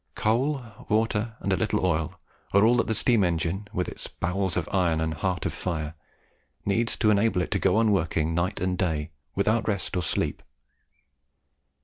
Coal, water, and a little oil, are all that the steam engine, with its bowels of iron and heart of fire, needs to enable it to go on working night and day, without rest or sleep.